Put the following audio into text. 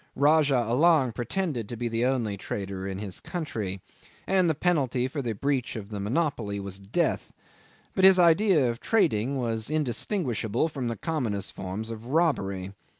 Rajah Allang pretended to be the only trader in his country, and the penalty for the breach of the monopoly was death; but his idea of trading was indistinguishable from the commonest forms of robbery.